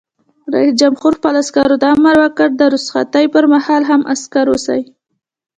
رئیس جمهور خپلو عسکرو ته امر وکړ؛ د رخصتۍ پر مهال هم، عسکر اوسئ!